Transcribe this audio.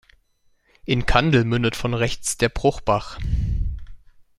In Kandel mündet von rechts der Bruchbach.